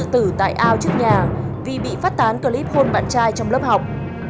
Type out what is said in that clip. tử tại ao trước nhà vì bị phát tán clip hôn bạn trai trong lớp học